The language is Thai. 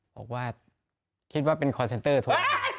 บอกว่าคิดว่าเป็นคอร์เซ็นเตอร์โทร